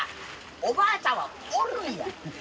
おばあちゃんはおるんや。